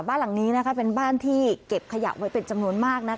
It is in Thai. บ้านหลังนี้เป็นบ้านที่เก็บขยะไว้เป็นจำนวนมาก